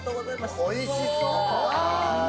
おいしそう。